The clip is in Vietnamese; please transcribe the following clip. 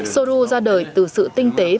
sô lô ra đời từ sự tinh tế và đặc trưng